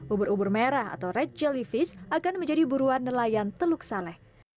ubur ubur merah atau red jellyfish akan menjadi buruan nelayan teluk saleh